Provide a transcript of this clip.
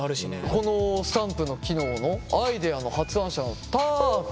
このスタンプの機能のアイデアの発案者のたー君。